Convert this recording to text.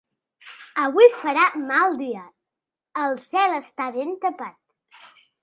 Avui farà mal dia, el cel està ben tapat.